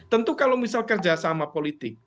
tentu kalau misal kerja sama politik